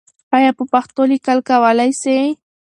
آیا په پښتو لیکل کولای سې؟